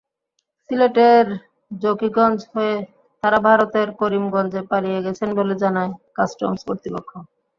সিলেটের জকিগঞ্জ হয়ে তাঁরা ভারতের করিমগঞ্জে পালিয়ে গেছেন বলে জানায় কাস্টমস কর্তৃপক্ষ।